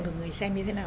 của người xem như thế nào